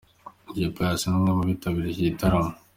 Dj Pius ni umwe mu bitabiriye iki gitaramo.